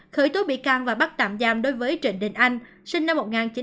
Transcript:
khởi tố bị can và bắt tạm giam đối với trịnh đình anh sinh năm một nghìn chín trăm tám mươi